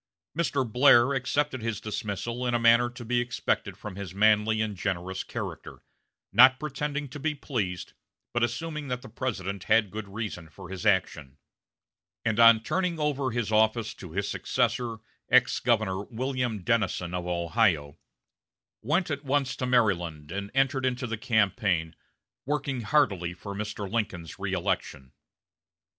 Mr. Blair accepted his dismissal in a manner to be expected from his manly and generous character, not pretending to be pleased, but assuming that the President had good reason for his action; and, on turning over his office to his successor, ex Governor William Dennison of Ohio, went at once to Maryland and entered into the campaign, working heartily for Mr. Lincoln's reëlection.